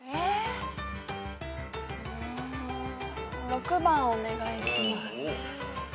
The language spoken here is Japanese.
６番お願いします。